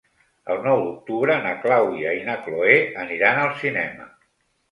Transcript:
El nou d'octubre na Clàudia i na Cloè aniran al cinema.